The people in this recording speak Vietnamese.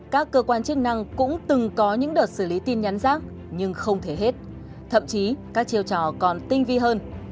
các cơ quan chức năng cũng từng có những đợt xử lý tin nhắn rác nhưng không thể hết thậm chí các chiêu trò còn tinh vi hơn